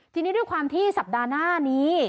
ทีนี้ด้วยความที่สัปดาห์หน้านี้